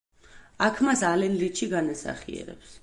აქ მას ალენ ლიჩი განასახიერებს.